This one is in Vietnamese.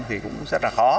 thì cũng rất là khó